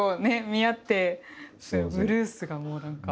見合ってブルースがもうなんか。